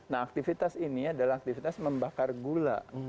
nah aktivitas ini adalah aktivitas membakar gula